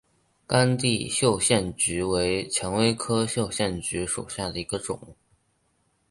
干地绣线菊为蔷薇科绣线菊属下的一个种。